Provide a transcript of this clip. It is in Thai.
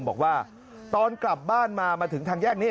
บอกว่าตอนกลับบ้านมามาถึงทางแยกนี้